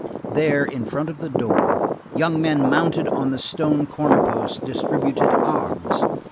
There, in front of the door, young men mounted on the stone corner posts, distributed arms.